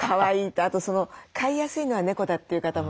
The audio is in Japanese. あと飼いやすいのは猫だという方もいて。